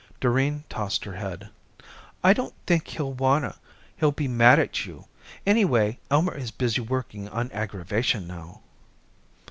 Doreen tossed her head. "I don't think he'll wanta. He'll be mad at you. Anyway, Elmer is busy working on aggravation now."